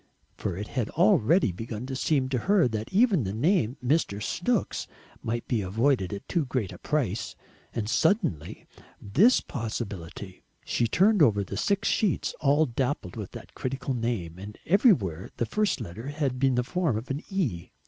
For it had already begun to seem to her that even the name of Mrs. Snooks might be avoided at too great a price, and suddenly this possibility! She turned over the six sheets, all dappled with that critical name, and everywhere the first letter had the form of an E!